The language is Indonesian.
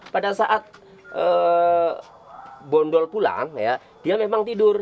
pada saat bondol pulang ya dia memang tidur